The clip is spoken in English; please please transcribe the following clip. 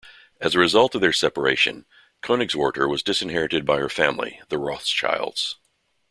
As a result of their separation, Koenigswarter was disinherited by her family, the Rothschilds.